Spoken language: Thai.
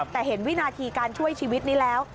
แต่เห็นวินาทีการช่วยชีวิตนี้แล้ว